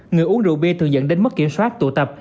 người uống rượu bia thường dẫn đến mất kiểm soát tụ tập